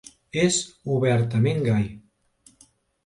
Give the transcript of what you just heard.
És obertament gai.